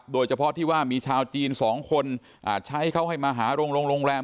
โดยเฉพาะที่ว่ามีชาวจีน๒คนใช้เขาให้มาหาโรงแรม